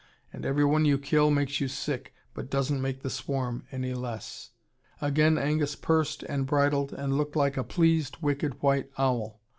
And every one you kill makes you sick, but doesn't make the swarm any less." Again Angus pursed and bridled and looked like a pleased, wicked white owl.